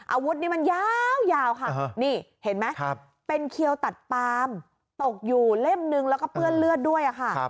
อาวุธนี่มันยาวค่ะนี่เห็นไหมเป็นเขียวตัดปามตกอยู่เล่มนึงแล้วก็เปื้อนเลือดด้วยค่ะ